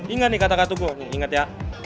ingat nih kata katuku ingat ya